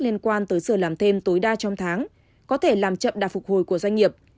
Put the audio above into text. liên quan tới giờ làm thêm tối đa trong tháng có thể làm chậm đà phục hồi của doanh nghiệp